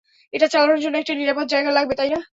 এটা চালানোর জন্য একটা নিরাপদ জায়গা লাগবে, তাই না?